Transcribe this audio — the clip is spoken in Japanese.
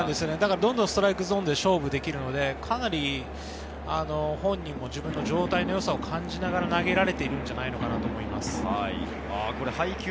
どんどんストライクゾーンで勝負できるので、本人も自分の状態の良さを感じながら投げられているのではないかと思います。